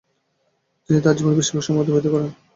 তিনি তার জীবনের বেশিরভাগ সময় অতিবাহিত করেন।